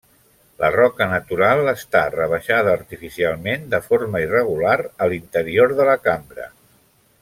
La roca natural està rebaixada artificialment, de forma irregular a l'interior de la cambra.